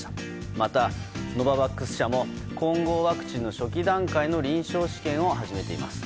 また、ノババックス社も混合ワクチンの初期段階の臨床試験を始めています。